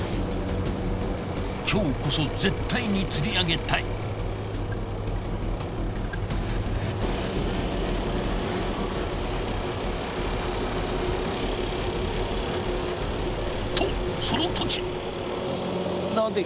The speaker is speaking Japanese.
今日こそ絶対に釣り上げたい。とそのとき。